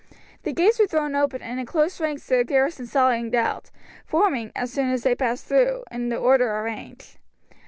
The gates were thrown open, and in close ranks the garrison sallied out, forming, as soon as they passed through, in the order arranged.